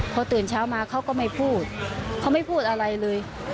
พอตื่นเช้ามาเขาก็ไม่พูดเขาไม่พูดอะไรเลย